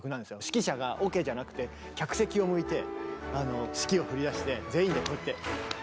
指揮者がオケじゃなくて客席を向いて指揮を振りだして全員でこうやって。